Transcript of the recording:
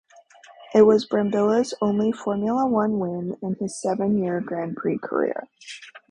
It was Brambilla's only Formula One win in his seven-year Grand Prix career.